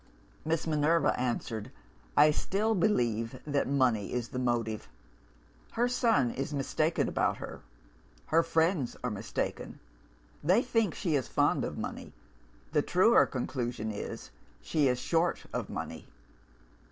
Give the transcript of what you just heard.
"Miss Minerva answered, 'I still believe that money is the motive. Her son is mistaken about her; her friends are mistaken; they think she is fond of money the truer conclusion is, she is short of money.